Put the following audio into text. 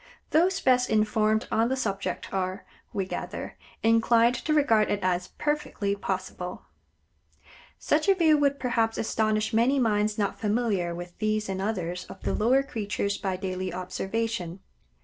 Those best informed on the subject are, we gather, inclined to regard it as perfectly possible. Such a view would, perhaps, astonish many minds not familiar with these and others of the lower creatures by daily observation.